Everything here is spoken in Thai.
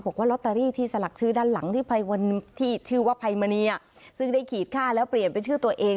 บอกว่าลอตเตอรี่ที่สลักชื่อด้านหลังที่ชื่อว่าภัยมณีซึ่งได้ขีดค่าแล้วเปลี่ยนเป็นชื่อตัวเอง